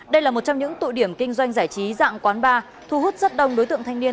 đây là một trong những tụ điểm kinh doanh giải trí dạng quán bar thu hút rất đông đối tượng thanh niên